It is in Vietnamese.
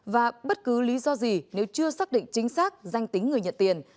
và bất cứ lý do gì nếu chưa xác định chính xác danh tính người nhận tiền